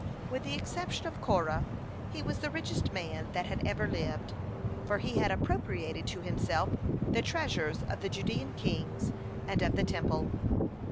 With the exception of Korah he was the richest man that had ever lived, for he had appropriated to himself the treasures of the Judean kings and of the Temple.